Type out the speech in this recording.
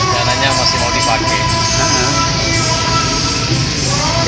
dananya masih mau dipakai